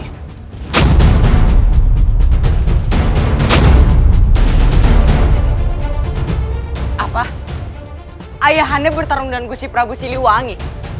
gusti siliwangi bertarung dengan gusti siliwangi